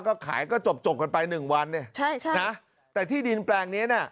ก็ขายก็จบจบกันไปหนึ่งวันเนี่ยใช่ใช่นะแต่ที่ดินแปลงเนี้ยน่ะ